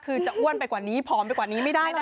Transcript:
คือจะอ้วนไปกว่านี้ผอมไปกว่านี้ไม่ได้นะ